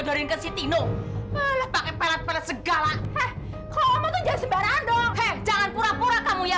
sampai jumpa di video selanjutnya